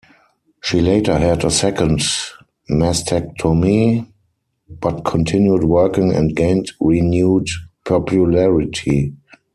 She later had a second mastectomy but continued working and gained renewed popularity.